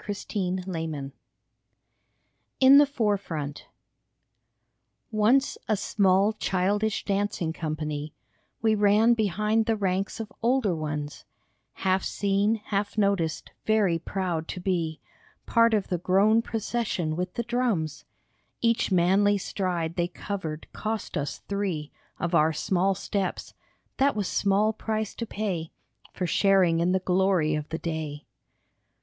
92 IN THE FOREFRONT IN THE FOREFRONT ONCE a small, childish dancing company, We ran behind the ranks of older ones Half seen, half noticed, very proud to be Part of the grown procession with the drums ; Each manly stride they covered cost us three Of our small steps, that was small price to pay For sharing in the glory of the day.